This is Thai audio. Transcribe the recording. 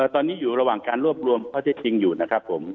ตอนนี้อยู่ระหว่างการรวบรวมข้อเท็จจริงอยู่นะครับผม